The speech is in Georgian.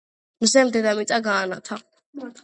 მზემ დედამიწა გაანათა.